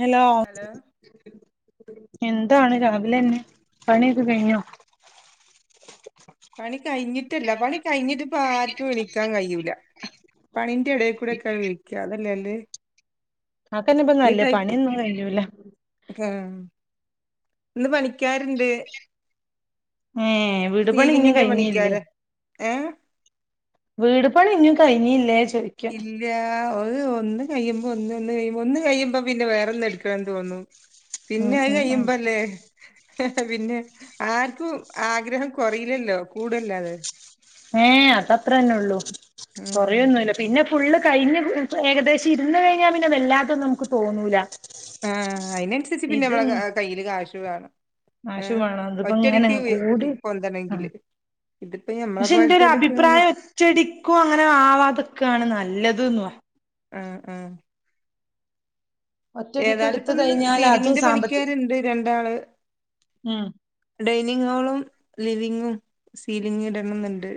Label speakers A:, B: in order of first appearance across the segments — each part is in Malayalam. A: ഹലോ എന്താണ് രാവിലെന്നെ പണിയൊക്കെ കയിഞ്ഞോ?
B: പണി കഴിഞ്ഞിട്ടല്ല പണി കഴിഞ്ഞിട്ട് ഇപ്പ ആർക്കും വിളിക്കാൻ കയ്യൂല പണിന്റെ എടേകൂടെക്കെ വിളിക്കാ അതല്ലെ നല്ലേ?
A: ആക്കന്ന ഇപ്പൊ നല്ലേ പണിയൊന്നും കയ്യൂല.
B: ഏ ഇന്ന് പണിക്കാര്ണ്ട്
A: ഏഹ് വിടു പണി ഇഞ്ഞും
B: സീലിങ്ങിന്റെ
A: കഴിഞ്ഞില്ലേ?
B: പണിക്കാര് ഏഹ്
A: വീട് പണി ഇഞ്ഞും കഴ്ഞ്ഞില്ലേ ചോയ്
B: ഇൽ ല്ല അത് ഒന്ന് കയ്യുമ്പോ ഒന്ന്ണ്ട് കഴിയുമ്പോ ഒന്ന് കയ്യുമ്പോ പിന്നെ വേറൊന്ന് ഇട്ക്കണം ന്ന് തോന്നും
A: ഉം
B: പിന്നെ അത്
A: ഉം ഉം
B: കയ്യുമ്പല്ലേ പിന്നെ ആർക്കും ആഗ്രഹം കൊറീല്ലല്ലോ കൂടല്ലാതെ.
A: ഏഹ് അതത്രന്നെള്ളൂ
B: ഉം
A: കൊറയൊന്നുംല്ല. പിന്നെ ഫുള്ള് കഴിഞ്ഞ് ഏകദേശം ഇരുന്ന് കഴിഞ്ഞാ പിന്നെ വല്ലാതൊന്നും മ്മക്ക് തോന്നൂല.
B: ആഹ് അയ്നൻസര്ച്ച് പിന്നെ
A: ഇത്
B: നമ്മളെ കയ്യില് കാശു വേണം.
A: കാശ്
B: ഉം
A: വേണം ഇതിപ്പോ ഇങ്ങനെ
B: ഒറ്റടിക്ക്
A: കൂടി ആ
B: പൊന്തണെങ്കില് ഇതിപ്പോ ഞമ്മളെ
A: പക്ഷെ എന്റെ ഒരു
B: പോലത്തോല്ക്കങ്ങ
A: അഭിപ്രായം ഒറ്റടിക്കും അങ്ങനെ ആവാതക്കാണ് നല്ലത് ന്ന്
B: ആഹ് ആഹ്.
A: ഒറ്റടിക്ക്
B: ഏതാലും
A: എടുത്ത്
B: ഇപ്പൊന്ന്
A: കഴിഞ്ഞാൽ അതും
B: സീലിങ്ങിന്റെ
A: സാമ്പത്തിക
B: പണിക്കാര്ണ്ട് രണ്ടാള്
A: ഉം
B: ഡൈനിങ് ഹോളും ലിവിങ്ങും സീലിങ്ങ് ഇടണംന്ന്ണ്ട്.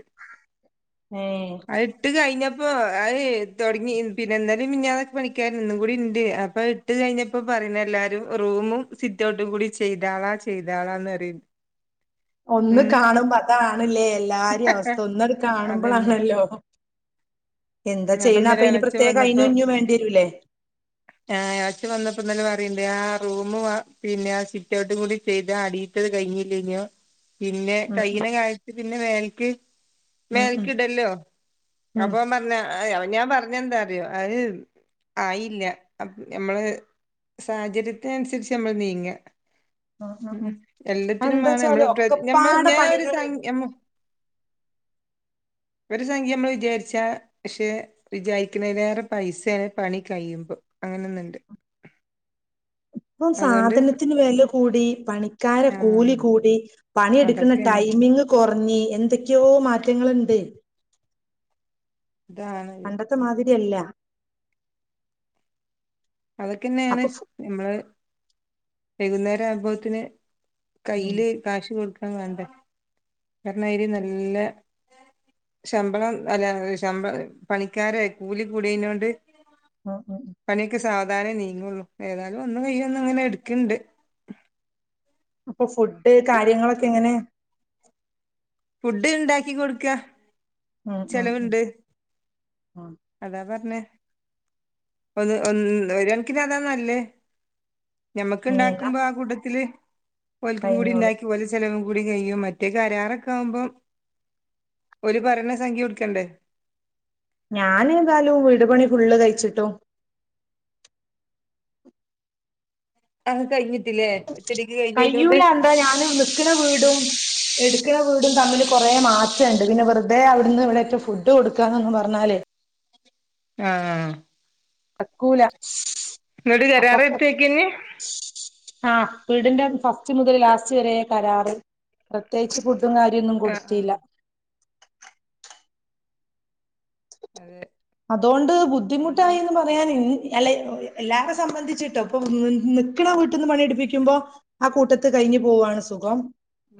A: ഏഹ്
B: അത് ഇട്ട് കഴിഞ്ഞപ്പോ അത് തൊടങ്ങി പിന്നെ ഇന്നലിം മിഞ്ഞാന്നൊക്കെ പണിക്കാര്ണ്ട് ഇന്നും കൂടി ഉണ്ട് അപ്പൊ ഇട്ട് കഴിഞ്ഞപ്പോ പറയുന്നെ എല്ലാരും റൂമും സിറ്റ്ഔട്ടും കൂടി ചെയ്താളാ ചെയ്താളാന്ന്റിയുന്ന്
A: ഒന്ന് കാണുമ്പോ അതാണല്ലേ എല്ലാരിം അവസ്ഥ ഒന്നാട്ട്
B: അതന്നെ
A: കാണുമ്പോളാണല്ലോ എന്താ ചെയ്യ്ണ്
B: ഇന്നലെ
A: അപ്പൊ ഇനി
B: എളച്ചൻ
A: പ്രത്യേക അയ്നും ഇഞ്ഞും വേണ്ടിരൂല്ലേ
B: ആഹ് [unintelligible] വന്നപ്പോ ഇന്നലെ പറയ്ണ്ട് ആ റൂമും പിന്നെ ആ സിറ്റ ഔട്ടും കൂടി ചെയ്താതി. ഇട്ടത് കഴ്ഞ്ഞില്ലെനോ പിന്നെ
A: ഉം
B: കൈയ്യ്ണ കാൽത്ത് പിന്നെ മേൽക്ക്
A: ഉം ഉം
B: മേൽക്ക് ടല്ലോ
A: ഉം
B: അപ്പൊ ഓ പ ർഞ്ഞ ഞാൻ പർഞ്ഞെ എന്താ അറിയോ അത് ആയില്ല ഞമ്മള് സാഹചര്യത്തിനൻസര്ച്ച് നമ്മള് നീങ്ങ ഉം എല്ലാത്തിനും മാണം
A: അതെന്താച്ചാല്
B: നമ്മള് പ്ര നമ്മൾ
A: ഒക്കപ്പാടെ
B: ഞാ ഒരു
A: പണികള്
B: സം മ്മ ഒരു സംഖ്യ മ്മള് വിചാരിച്ച പക്ഷെ വിചാരിക്ക്ണലേറെ പൈസയാ പണി കയ്യുമ്പം അങ്ങനൊന്ന്ണ്ട്.
A: ഇപ്പം സാധനത്തിന് വെല കൂടി പണിക്കാരെ
B: ആഹ്
A: കൂലി കൂടി പണി എട്ക്ക്ന്ന
B: അതൊക്കെയാണ്
A: ടൈമിങ് കൊർഞ്ഞ് എന്തൊക്കെയോ മാറ്റങ്ങള്ണ്ട്.
B: [unintelligible]
A: പണ്ടത്തെ മാതിരിയല്ല
B: അതൊക്കെന്നെയാണ്
A: അപ്പൊ ഫു
B: നമ്മള് വൈകുന്നേരം ആവുമ്പോത്തിന്
A: ഉം
B: കയ്യില് കാശ് കൊടുക്കാൻ വേണ്ടേ കാര്ണം [unintelligible] നല്ല ശമ്പളം അല്ല ശമ്പ പണിക്കാരെ കൂലി കൂടിയയ്നോണ്ട്
A: [inaudible]
B: പണിയൊക്കെ സാവധാനെ നീങ്ങുള്ളൂ ഏതാലും ഒന്ന് കയ്യെ ഒന്ന് ഇങ്ങനെ എട്ക്ക്ണ്ട്.
A: അപ്പൊ ഫുഡ് കാര്യങ്ങളൊക്കെ എങ്ങനെ?
B: ഫുഡ് ഇണ്ടാക്കി കൊട്ക്ക
A: ഉം ഉം ഉം
B: ചെലവ്ണ്ട്.
A: ഉം
B: അതാ പർഞ്ഞേ ഒന്ന് ഒരു കൺക്കിന് അതാ നല്ലേ ഞമ്മക്ക്
A: ഇനി എന്നാ
B: ഇണ്ടാക്കുമ്പോ ആ കൂട്ടത്തില് ഓൽക്കും കൂടി
A: കഴിഞ്ഞോളും
B: ഇണ്ടാക്കി ഓല് ചെലവും കൂടി കഴിയും മറ്റേ കരാറൊക്കെ ആമ്പം ഓര് പറിണ സംഖ്യ കൊട്ക്കണ്ടേ.
A: ഞാന് ഏതായാലും വീട് പണി ഫുള്ള് കയ്ച്ചിട്ടും
B: അങ് കഴിഞ്ഞിട്ടില്ലേ ഒറ്റടിക്ക് കഴിഞ്ഞതിനോണ്ട്
A: കയ്യൂല എന്താ ഞാനും ണ വീടും എടുക്കണ വീടും തമ്മിൽ കൊറെ മാറ്റംണ്ട് പിന്നെ വെറുതെ അവിടുന്ന് ഇവിടെറ്റം ഫുഡ് ഇട്ട് കൊടുക്കാന്നങ്‌ പറഞ്ഞാലെ
B: ആഹ്
A: ടക്കൂല
B: ങ്ങട്ട് കരാറിട്ടക്കെനി
A: ആഹ് വീടിന്റെ ഫസ്റ്റ് മുതൽ ലാസ്റ്റ് വരെ കരാറ് പ്രത്യേകിച്ച് ഫുഡും കാര്യ ഒന്നും
B: ആഹ് ആഹ്
A: കൊടുത്തില്ല
B: [inaudible]
A: അതോണ്ട്
B: അതുകൊണ്ട്
A: ബുദ്ധിമുട്ടായിന്ന് പറ ഞാന് അല്ല എല്ലാരെ സംബന്ധിച്ചിട്ടോ ഇപ്പൊ നിക്കണ വീട്ടിൽ നിന്ന് പണിയെടുപ്പിക്കുമ്പോ ആഹ് കൂട്ടത്ത് കഴിഞ്ഞു പോവാണ് സുഖം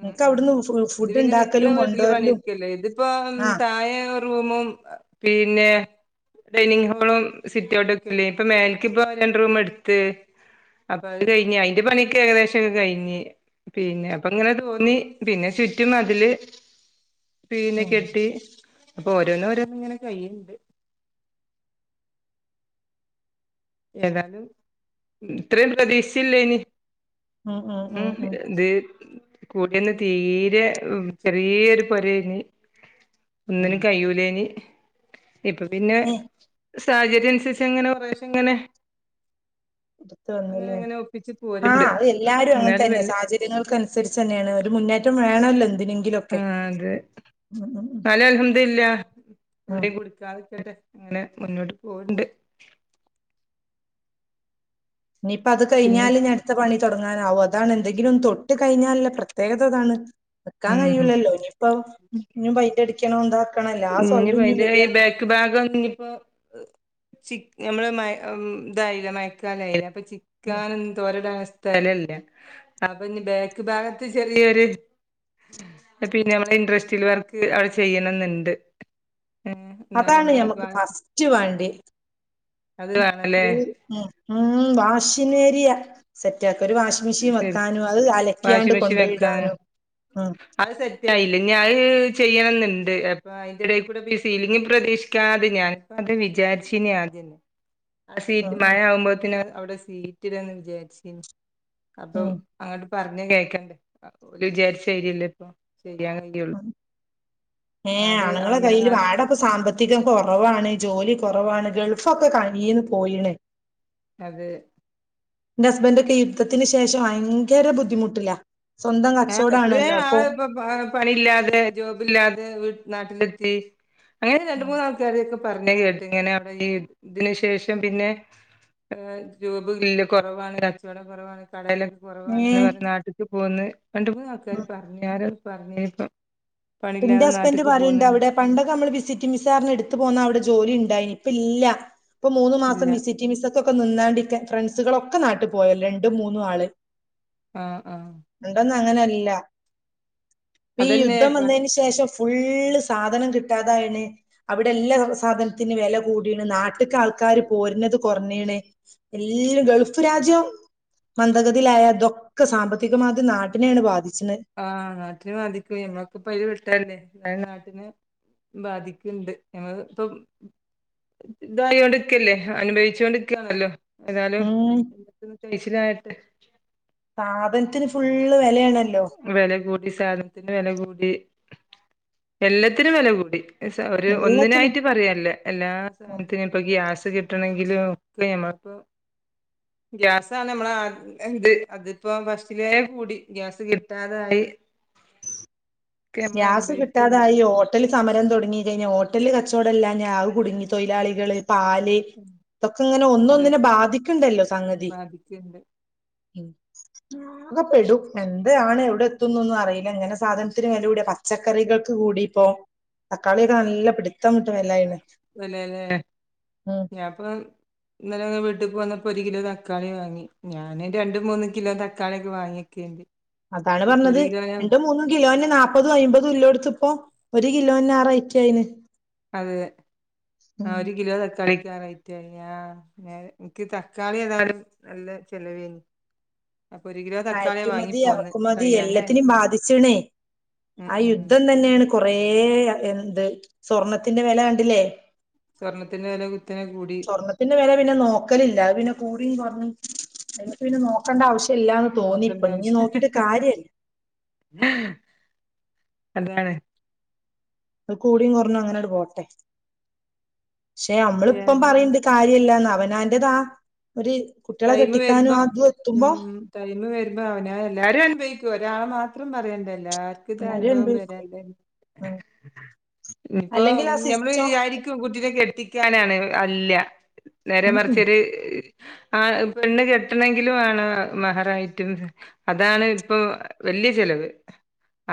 B: ഉം
A: ഇൻക്ക്
B: ഉം
A: അവിടുന്ന് ഫു
B: ഇത്
A: ഫുഡ്
B: പിന്നെ നിക്കണ
A: ഇണ്ടാക്കലും
B: വീട്ടില്
A: കൊണ്ടുവരലും
B: പണിട്ക്കല്ലേ ഇതിപ്പോ
A: ആഹ്
B: തായെ റൂമും പിന്നെ ഡൈനിങ്ങ് ഹോളും സിറ്റൊട്ടൊക്കെല്ലേ ഇപ്പൊ മേലക്ക് പ്പം രണ്ട് റൂം എടുത്ത് അപ്പൊ അത് കഴിഞ്ഞ് അയിന്റെ പണിക്ക് ഏകദേശക്കെ കഴിഞ്ഞ് പിന്നെ അപ്പങ്ങനെ തോന്നി പിന്നെ ചുറ്റും മതില് പിന്നെ
A: ഉം
B: കെട്ടി അപ്പൊ ഓരോന്നരോന്നങ്ങനെ കൈയും ഏതാലും ത്രയും പ്രതിക്ഷിച്ചില്ലേനി ഉം എന്തേ കൂടിന്ന് തീരെ ചെറിയൊരു പൊരെനി
A: ഉം
B: ഒന്നിനും കയ്യുലേനി നി ഇപ്പൊ പിന്നെ
A: ഏഹ്
B: സാഹചര്യ അനുസരിച്ച്ങ്ങനെ കുറെശെങ്ങനെ
A: എടുത്ത വന്നില്ലേ
B: അങ്ങനെ ഒപ്പിച്ച്
A: ആഹ്
B: പോരുണ്ട്
A: അത് എല്ലാരും
B: എന്നാലും
A: അങ്ങനത്തന്നെ
B: വല്യ
A: സാഹചര്യം കങ്ങൾക്ക അനുസരിച്ചന്നെണ് ഒരു മുന്നേറ്റം വേണല്ലോ എന്തിനെങ്കിലും
B: ആഹ് അതെ ന്നാലും അൽഹംദുലില്ലാഹ്
A: ആഹ്
B: എവിടെയും കുടുങ്ങാതെ അങ്ങനെ മുന്നോട്ട് പോകുണ്ട്
A: ഇഞിപ്പത്
B: പിന്നെ
A: കഴിഞ്ഞാൽ അട് ഇത്തെ പണി തുടങ്ങാനാവും അതാണ് എന്തെങ്കിലും തൊട്ട് കഴിഞ്ഞാല് പ്രത്യേകതതാണ് വെക്കാൻ കഴിയൂല്ലല്ലോ
B: ഉം
A: ഇനിയിപ്പോ ഇഞ്ഞും പൈൻ്റ് അടിക്കണം എന്താക്കണല്ലോ ആഹ് സ്വഹലും
B: ഇനിപ്പോ
A: ഇഞ്ഞു
B: അതിന്റെ ഈ
A: വരാണ്
B: ബാക്ക് ഭാഗം ഇഞിപ്പോ ചി ഞമ്മള് മഴ തായില്ല മ ചിക്കല്ലെ അപ്പൊ
A: ഉം
B: ചിക്കാനും തോരടാനും സ്ഥലല്ല അപ്പൊഞി ബേക്ക് ഭാഗത്ത് ചെറിയൊരു പിന്നെ നമ്മെ ഇൻറ്രസ്റ്റിൽ വർക്ക് അവടെ ചെയ്യണന്നുണ്ട് ഏഹ് എന്നാലും നമ്മളെ വ
A: റ്റു വണ്ടി
B: വേണല്ലേ
A: ഉം വാഷിനേരിയ സെറ്റാക്ക ഒരു വാഷിന മിഷിൻ
B: ശരി
A: വെക്കാനും അത് അലക്കിയാണ്ട്
B: വാഷിംഗ് മെഷീൻ വെക്കാൻ
A: കൊണ്ടോയിടാനും അഹ്
B: അത് സെറ്റായില്ല ഞത് ചെയ്യണന്നുണ്ട് അപ്പ ആഹ് അയ്ന്റെടേ കൂടെ സീലിങ് പ്രതീക്ഷിക്കാതെ ഞാനിപ്പ അത് വിചാരിച്ചിനെ ആദ്യം ആഹ്
A: ഉം
B: സീറ്റ് മഴ
A: ഉം
B: ആവുമ്പോത്തന് അവിടെ സീറ്റ് ഇടാന്ന് വിചാരിച്ച് അപ്പൊ
A: ഉം
B: അങ്ങോട്ട് പറഞ്ഞ കേൾകണ്ടേ ഒരു വിചാരിച്ചായിരില്ലല്ലൊ ഇപ്പ ചെയ്യാൻ കഴ
A: ഏഹ് ആണുങ്ങളെ കയ്യിൽ
B: അങ്ങനെ
A: പാട സാമ്പത്തികം കുറവാണ് ജോലി കുറവാണ് ഗൾഫൊക്കെ കയ്യിന്ന് പോയിണ്
B: അതെ
A: എന്റെ ഹസ്ബൻഡക്കെ യുദ്ധത്തിന് ശേഷം ഭയങ്കര ബുദ്ധിമുട്ടില്ല സ്വന്തം കച്ചോടാണല്ലോ അപ്പൊ
B: പണില്ലാതെ ജോബില്ലാതെ നാട്ടിലെത്തി അങ്ങനെ രണ്ട് മൂന്നാ കാര്ക്കെ പറഞ്ഞ കേട്ട്ങ്ങനെ അവിടെ ഈ യുദ്ധത്തിന് ശേഷം പിന്നെ ജോബ്ല്ല കുറവാണ് കച്ചവടം കുറവാണ് കടയിലൊക്കെ കുറവാണെന്ന്
A: ഏഹ്
B: പറ നാട്ടിക്ക് പോന്ന് രണ്ട മൂന്ന് ആൾക്കാര് പറഞ്ഞ് ആരാ പറഞ്ഞപ്പോ
A: ന്റെ ഹസ്ബന്ഡറ് പറയുണ്ട് അവിടെ പണ്ടൊക്കെ നമ്മള് വിസിറ്റ് വിസാർഞി ഇട്ത്ത് പോന്നാ അവിടെ ജോലിണ്ടായിനി ഇപ്പല്ലാ ഇപ്പം മൂന്ന് മാസം
B: ഇല്ല
A: വിസി വിസക്കൊക്കെ നിന്നാണ്ട് ഫ്രണ്ട്സുകളൊക്കെ നാട്ട് പോയല്ലൊ രണ്ടും മൂന്നും ആള്
B: ആഹ് ആഹ്
A: പണ്ടൊന്നും അങ്ങനല്ലപ്പൊ ഈ യുദ്ധം
B: അതന്നെ
A: വന്ന ശേഷം ഫുള്ള് സാധനം കിട്ടാതായിണ് അവിടെ എല്ലാ സാധനത്തിന് വില കൂടിണ് നാട്ടക്കൾക്കാര് പോരുന്നത് കുറഞ്ഞണ്. എല്ല ഗൾഫ് രാജ്യം മന്ദഗതിയിലായ തൊക്കെ സാമ്പത്തികമാദ്യം നാട്ടിനെയാണ് ബാധിച്ചണത്.
B: ആഹ് നാട്ടിൽ മതിക്ക മ്മക്കപൊ അതി വിട്ടല്ലേ നാട്ടിന് ബാധിക്കുണ്ട് ഞങ്ങൾ പ്പൊ ഇതായോണ്ട്ക്കല്ലേ അനുഭവിച്ചൊണ്ട്ക്കാണല്ലോ. ഏതാലും
A: ഉം
B: കൈച്ചിലാട്ട
A: സാപനത്തിന് ഫുള്ള് വിലയാണല്ലോ.
B: വില കൂടി സാധനത്തിന് വില കൂടി എല്ലാത്തിനും വില കൂടി. ഒരു
A: എല്ലാത്തിനും
B: ഒന്നിനായിട്ട് പറയല്ല എല്ലാ
A: ഉം.
B: സാനത്തിനും ഇപ്പൊ ഗ്യാസ് കിട്ടണെങ്കിലുക്കെ മ്മക്ക് ഗ്യാസാണ് നമ്മള എന്ത് അതിപ്പോ ഫസ്റ്റലേ കൂടി ഗ്യാസ് കി ട്ടാതായി
A: ഗ്യാസ്
B: അനുഭവിക്ക്ണ്ട്
A: കിട്ടാതായി. ഹോട്ടൽ സമരം തുടങ്ങി കഴിഞ്ഞ ഹോട്ടലിൽ കച്ചവടംല്ലാംഞ ആഹ് കുടുങ്ങി തൊഴിലാളികള് പാല് ഇതൊക്കെ ഇങ്ങനെ ഒന്ന്
B: അതെ
A: ഒന്നിനെ ബാധിക്കണ്ടല്ലോ സംഗതി
B: ബാധിക്ക്ണ്ട്
A: ഉം അതെക്കെ പെടും എന്താണ് എവിടെ എത്തുന്നുന്നും അറിയില്ല ങ്ങനെ സാധ ത്തിന് വില കൂടെ പച്ചക്കറികൾക്ക് കൂടി ഇപ്പോ തക്കാളിയൊക്കെ നല്ല പിട്
B: അല്ലെല്ലേ
A: ഉം
B: ഞാൻപ്പൊ ഇന്നലെ വീട്ടിൽ വന്നപ്പോ ഒരു കിലോ തക്കാളി വാങ്ങി ഞാന് രണ്ട് മൂന്ന് കിലോ തക്കാളിയൊക്കെ വാങ്ങിയക്കണ്ട്.
A: അതാണ് പറഞ്ഞത് രണ്ട് മൂന്നും കിലോനെ നാപ്പ പ്പതും അയ്മ്പതും ഇള്ളോടുത്തിപ്പോ ഒരു കിലോന്നെ ആഹ് റയറ്റായിന്.
B: അതെ ആഹ് ഒരു കിലോ തക്കാളിക്കാ റായി ആഹ് നിക്ക് തക്കാളി ഏതായാലും നല്ല ചെലവനി അപ്പോര് കിലോ
A: കയറ്റുമതി
B: പോന്ന്
A: ഇറക്കുമതി
B: കഴിയാനായി
A: എല്ലാത്തിനെയും ബാധിച്ചണേ
B: ഉം
A: ആഹ്
B: ഉം
A: യുദ്ധം തന്നെയാണ് കൊറേ എന്ത് സ്വർണത്തിന്റെ വില കണ്ടില്ലേ
B: സ്വർണത്തിന്റെ വില കുത്തനെ കൂ
A: സ്വർണ്ണത്തിന്റെ വില പിന്നെ നോക്കലില്ല അത് പിന്നെ കൂടിയും കൊറ പിന്നെ നോക്കേണ്ട ആവശ്യമില്ലന്ന്
B: നോക്കണ്ട
A: തോന്നിപ്പൊ ഇനി
B: ആവശ്യം
A: നോക്കിട്ട് കാര്യല്ല.
B: അതാണ്.
A: അത് കൂടിയും കുറഞ്ഞും അങ്ങനെട് പോട്ടെ ക്ഷെ നമ്മളിപ്പം
B: ഏതായാലും
A: പറയണ്ട് കാര്യമല്ലന്ന അവനാന്റതാ ഒരു കുട്ടികളെ
B: ടൈമ്
A: കെട്ടിക്കാനും
B: വരുമ്പോ
A: ആത് എത്തുമ്പോ
B: ഉം ടൈമ് വരുമ്പോ അവന എല്ലാരും അനുഭവിക്കും ഒരാളെ മാത്രം പറയണ്ടല്ലാര്
A: എല്ലാരും
B: അനുഭവം വര
A: അനുഭവിക്കും ഉം
B: ഇപ്പൊ
A: അല്ലെങ്കിൽ ആ
B: നമ്മള്
A: സിസ്റ്റം
B: വിചാരി ക്കും കുട്ടിനെ കെട്ടിക്കാനാണെന്ന് അല്ല നേരെ
A: ഉം ഉം
B: മറച്ചൊരു ആഹ് പെണ്ണ് കെട്ടണെങ്കിലും മാണ് മഹറായിട്ടും അതാണ് ഇപ്പൊ വലിയ ചെലവ്.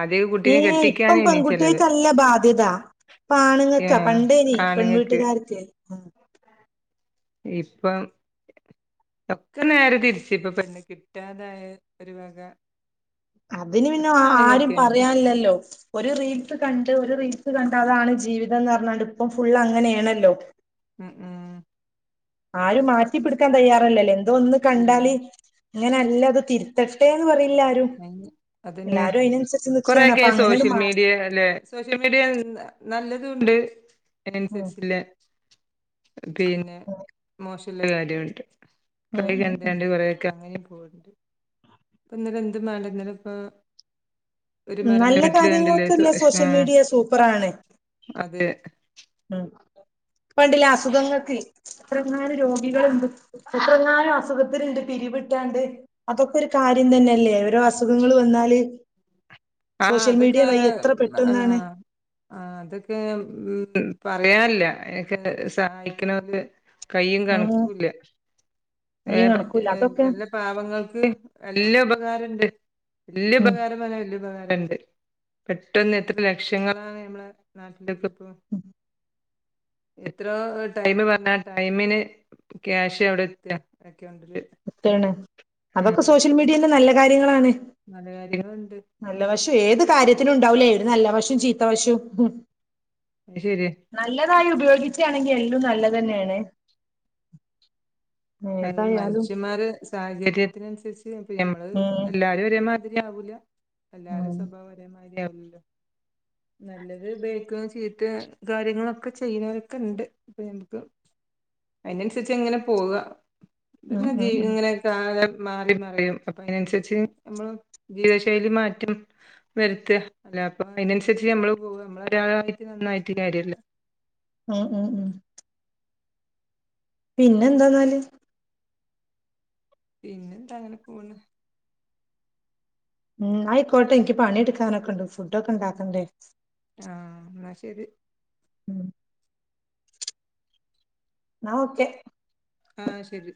B: ആദ്യം കുട്ടിനെ
A: ഏഹ് ഇപ്പം
B: കെട്ടിക്കാനേനി ചെലവ്
A: പെൺകുട്ടിക്കല്ല ബാധ്യത. ആണുങ്ങൾക്കാ
B: ഏഹ്
A: പണ്ടേനി
B: ആണുങ്ങക്ക്
A: പെൺവീട്ടുകാർക്ക് ഉം
B: ഇപ്പം ഒക്കെ നേരെ തിരിച്ച ഇപ്പ പെണ് കിട്ടാതായ ഒരു വക.
A: അതിന് പിന്നെ
B: ഒക്കെ
A: ആരും
B: ആണുങ്ങക്കന്നെ
A: പറയാല്ലല്ലോ. ഒരു റീൽസ് കണ്ട് ഒരു റീൽസ് കണ്ട് അതാണ് ജീവിതംന്ന് റഞ്ഞാണ്ട് ഇപ്പം ജീവിതം ഫുള് അങ്ങനെയാണല്ലോ
B: ഉം ഉം
A: ആരും മാറ്റി പിടുക്കാൻ തയ്യാറല്ലല്ല എന്തോ ഒന്ന്
B: ഇല്ല
A: കണ്ടാല് ഇങ്ങനെല്ല അത് തിരുത്തട്ടെന്ന് പറയണില്ല
B: അതന്നെ
A: നിക്കാണ്
B: കൊറെക്കെ
A: അപ്പൊ അങ്ങനെണ്ട്
B: സോഷ്യൽ
A: മാ
B: മീഡിയ അല്ലെ സോഷ്യൽ മീഡിയ നല്ലതൂണ്ട്
A: ഉം
B: അയ്നനുസരിച് പിന്നെ മോശള്ള കാര്യംണ്ട്. [unintelligible]
A: ഉം
B: കൈ
A: ഉം ഉം
B: എന്താണ്ട് കുറെക്കെ അങ്ങനെ പോവണ്ട് ഇപ്പ ഇന്നലെ എന്ത് വേണ്ട ഇന്നല ഇപ്പോ ഒരു മരണ
A: നല്ല
B: വീട്ടില് കണ്ടില്ലേ സു
A: കാര്യങ്ങൾക്ക്ല്ല സോഷ്യൽ
B: ആഹ്
A: മീഡിയ
B: അതെ
A: ഇപണ്ടില്ല അസുഖങ്ങൾക്ക് എത്രങ്ങാന് രോഗികള്ണ്ട്. എത്രങ്ങാനും അസുഖത്തിന്ണ്ട് പിരിവിട്ടാണ്ട് അതൊക്കൊരു കാര്യം തന്നെല്ലേ ഓരോ അസുഖങ്ങള് വന്നാല്
B: ആഹ്
A: സോഷ്യൽ മീഡിയ
B: അതൊക്കെ
A: വഴി എത്ര
B: ആഹ്
A: പെട്ടെന്നാണ്
B: ആഹ് അതൊക്കെ ഉം പറയല്ല അതൊക്കെ സഹായിക്കണത് കയും
A: ഉം
B: കണക്കല്ല
A: ഈ
B: ഏഹ് പറ്റ
A: കണക്കൂല്ല അതൊക്കെ
B: എല്ല പാവങ്ങൾക്ക് നല്ല ഉപകാരണ്ട് വല്യ
A: ഉം
B: ഉപകാരന്നറഞാ വല്യ ഉപകാരണ്ട്. പെട്ടെന്ന് എത്ര ലക്ഷങ്ങളാണ് നമ്മളെ നാട്ടിലേക്ക ഇപ്പൊ എത്രോ ടൈമ്പറഞ്ഞ ആഹ് ടൈമിന് ക്യാഷ് അവിടെ എത്തിയാ [unintelligible]
A: താണ് അതൊക്കെ സോഷ്യൽ മീഡിയെല് നല്ല കാര്യങ്ങളാണ്.
B: നല്ല കാര്യങ്ങള്ണ്ട്.
A: നല്ല വശം ഏത് കാര്യത്തിനുണ്ടാവൂലേ ഒര് നല്ല വശം ചീത്തവശം.
B: അത് ശര്യാ
A: നല്ലതായി ഉപയോഗിച്ചാണെങ്കി എല്ലും നല്ലതെന്നെയാണ്.
B: എൻ
A: ഏതായാലും
B: മനുഷ്യമ്മാര് സാഹചര്യത്തിനനുസരിച്ച് ഞമ്മള്
A: ഉം
B: എല്ലാരും ഒരേമാതിരി ആവൂല എല്ലാരും
A: ഉം
B: സ്വഭാവം അതേമാതിരിയാവല്ലോ നല്ലത് ഉപയോഗിക്കുന്നതും ചീത്ത കാര്യങ്ങളൊക്കെ ചെയ്യണോരൊക്കെണ്ട് അപ്പൊ അയ്നനുസരിച്ചങ്ങനെ പോവാ അത്
A: ഉം
B: മതി
A: ഉം ഉം
B: ഇങ്ങനെ കാലം മാറി മാറിയും അപ്പൊ അതിനനുസരിച്ച് മ്മള് ജീവിത ശൈലി മാറ്റം വരുത്ത് അല്ലാപ്പൊ അയ്നനുസരിച്ച് മ്മള് പോക ഒരാളായിട്ട് നന്നായിട്ട് കാര്യല്ല
A: ആഹ് ഉം ഉം പിന്നന്താന്നാല്
B: പിന്നെന്താ അങ്ങനെപോണ്.
A: ഉം എന്നയിക്കോട്ടെ ഇനിക്ക് പണിയെടുക്കാനൊക്കെണ്ട് ഫുഡ്ക്കെ ഉണ്ടാക്കണ്ടേ
B: ആഹ് എന്നാ ശരി.
A: ഉം ന്നാ ഒക്കെ.
B: ആഹ് ശരി.